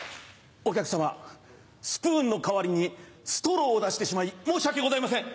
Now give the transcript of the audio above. お客様スプーンの代わりにストローを出してしまい申し訳ございません。